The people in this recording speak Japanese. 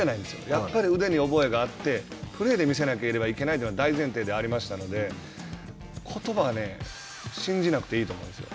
やっぱり腕に覚えがあってプレーで見せないといけないというのは大前提でありましたのでことばはね、信じなくていいと思うんですよ。